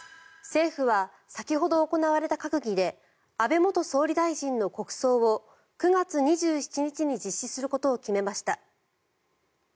政府は先ほど行われた閣議で安倍元総理大臣の国葬を９月２７日に実施することを決めました。